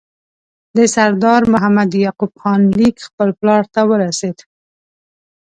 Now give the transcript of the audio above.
د سردار محمد یعقوب خان لیک خپل پلار ته ورسېد.